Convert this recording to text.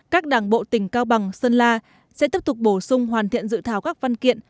các đảng bộ tỉnh cao bằng sơn la sẽ tiếp tục bổ sung hoàn thiện dự thảo các văn kiện